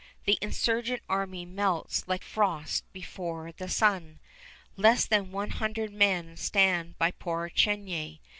The insurgent army melts like frost before the sun. Less than one hundred men stand by poor Chenier.